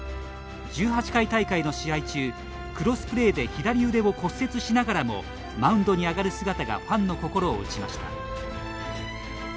１８回大会の試合中クロスプレーで左腕を骨折しながらもマウンドに上がる姿がファンの心を打ちました。